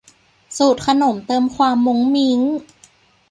สูตรขนมเติมความมุ้งมิ้ง